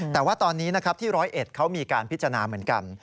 แต่ว่าตอนนี้นะครับที่๑๐๑เขามีการพิจารณาเหมือนกัน